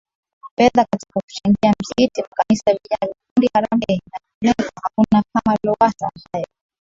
fedha katika kuchangia misikiti makanisa vijana vikundi harambee na vinginevyo hakuna kama Lowassa Hayo